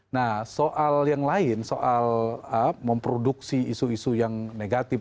nah soal yang lain soal memproduksi isu isu yang negatif